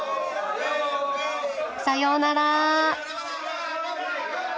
さようなら。